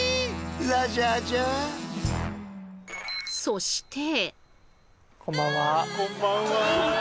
そして。